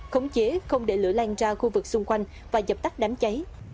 khống chế không để lửa lan ra khu vực xung quanh và dập tắt đám cháy